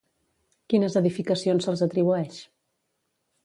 Quines edificacions se'ls atribueix?